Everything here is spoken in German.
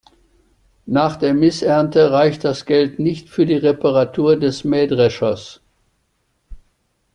Nach der Missernte reicht das Geld nicht für die Reparatur des Mähdreschers.